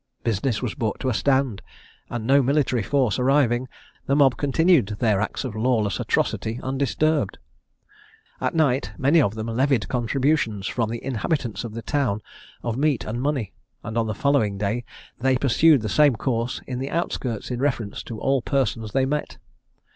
Business was brought to a stand, and no military force arriving, the mob continued their acts of lawless atrocity undisturbed. At night many of them levied contributions from the inhabitants of the town of meat and money, and on the following day they pursued the same course in the outskirts in reference to all persons they met.